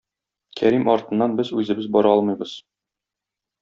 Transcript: Кәрим артыннан без үзебез бара алмыйбыз.